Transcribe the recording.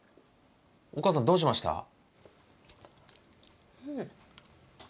お義母さんどうしました？